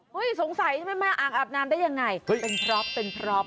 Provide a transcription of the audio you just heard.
เฮ้ยสงสัยมันมาอ่างอาบน้ำได้ยังไงเฮ้ยเป็นพร้อม